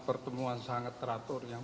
pertemuan sangat teratur yang